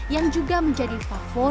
yang juga menjadi favorit